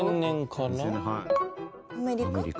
アメリカ？